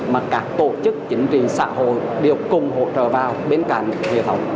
mà các tổ chức chính trị xã hội đều cùng hỗ trợ vào bên cạnh hệ thống